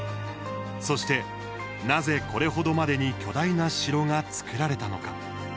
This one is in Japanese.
そして、なぜ、これ程までに巨大な城が造られたのか。